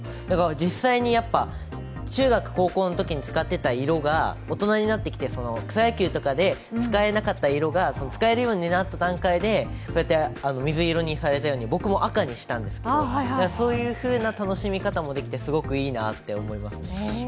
実際に中学、高校のときに使ってた色が大人になってきて、草野球とかで、使えなかった色が使えるようになった段階でこうやって水色にされたように、僕も赤にしたんですけど、そういうふうな楽しみ方もできてすごくいいなって思います。